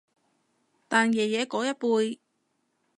但爺爺嗰一輩